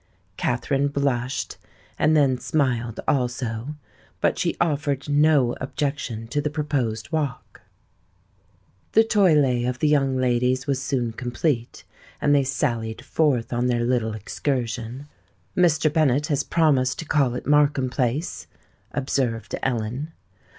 Katherine blushed, and then smiled also; but she offered no objection to the proposed walk. The toilette of the young ladies was soon complete; and they sallied forth on their little excursion. "Mr. Bennet has promised to call at Markham Place," observed Ellen.